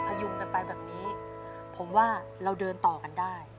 พยุงกันไปแบบนี้ผมว่าเราเดินต่อกันได้